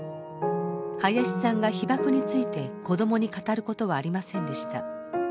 林さんが被爆について子どもに語る事はありませんでした。